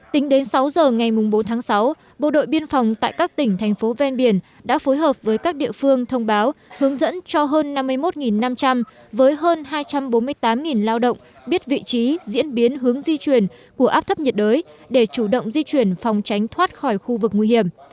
tính đến sáu giờ ngày bốn tháng sáu bộ đội biên phòng tại các tỉnh thành phố ven biển đã phối hợp với các địa phương thông báo hướng dẫn cho hơn năm mươi một năm trăm linh với hơn hai trăm bốn mươi tám lao động biết vị trí diễn biến hướng di chuyển của áp thấp nhiệt đới để chủ động di chuyển phòng tránh thoát khỏi khu vực nguy hiểm